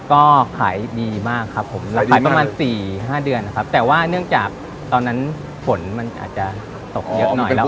ก็ขายดีมากครับผมขายประมาณสี่ห้าเดือนนะครับแต่ว่าเนื่องจากตอนนั้นฝนมันอาจจะตกเยอะหน่อยแล้ว